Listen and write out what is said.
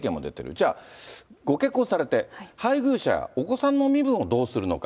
じゃあ、ご結婚されて、配偶者やお子さんの身分をどうするのか。